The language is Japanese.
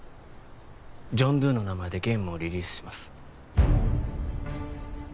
ジョン・ドゥの名前でゲームをリリースします